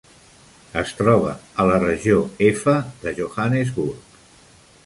Es troba a la regió F de Johannesburg.